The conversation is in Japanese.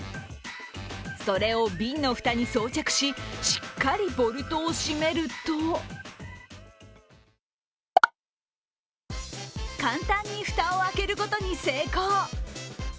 それを瓶の蓋に装着ししっかりボルトを締めると簡単に蓋を開けることに成功！